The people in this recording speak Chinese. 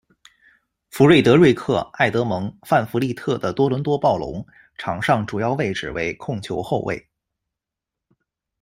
弗瑞德瑞克·爱德蒙·范弗利特的多伦多暴龙，场上主要位置为控球后卫。